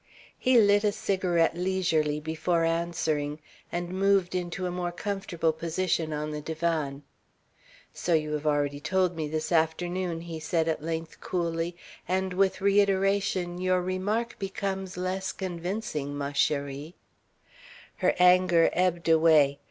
He lit a cigarette leisurely before answering and moved into a more comfortable position on the divan. "So you have already told me this afternoon," he said at length coolly, "and with reiteration your remark becomes less convincing, ma cherie." Her anger ebbed away.